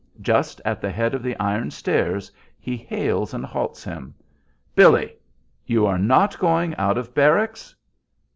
Just at the head of the iron stairs he hails and halts him. "Billy! You are not going out of barracks?"